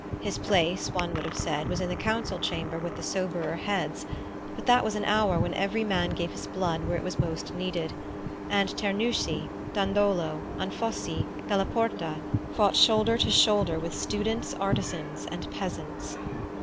His place, one would have said, was in the council chamber, with the soberer heads; but that was an hour when every man gave his blood where it was most needed, and Cernuschi, Dandolo, Anfossi, della Porta fought shoulder to shoulder with students, artisans and peasants.